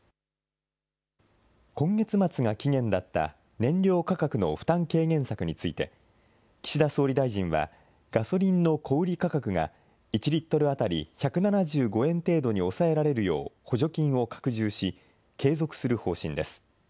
今月末が期限だった燃料価格の負担軽減策について、岸田総理大臣は、ガソリンの小売り価格が１リットル当たり１７５円程度に抑えられるよう補助金を拡充し、継続する方針です。